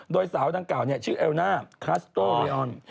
โดยสาวดังกล่าวชื่อเอลน่าคัสโตเรออน